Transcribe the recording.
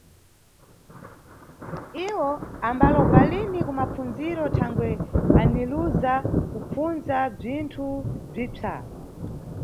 Iwo ambalova lini ku mapfundziro thangwe aniluza kupfundza bzinthu bzipsa